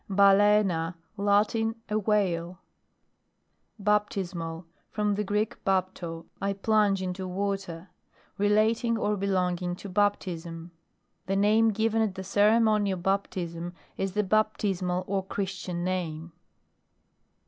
BAL^SNA. Latin. A whale. BAPTISMAL. From the Greek, baplo, I plunge into water. Rdaung, or belonging to baptism. The name given at the ceremony of baptism, is the baptismal or chri. tian name.